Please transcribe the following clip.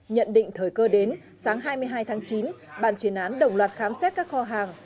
nhận định thời cơ đến sáng hai mươi hai tháng chín bàn chuyển án đồng loạt khám xét các kho hàng